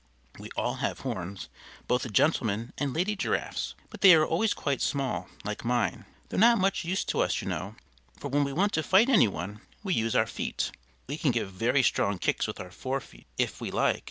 We all have horns, both gentlemen and lady Giraffes, but they are always quite small, like mine. They're not much use to us, you know, for when we want to fight any one we use our feet we can give very strong kicks with our fore feet, if we like.